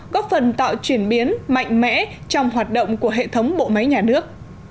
góp phần tạo chuyển biến mạnh mẽ trong hoạt động của hệ thống bộ máy nhà nước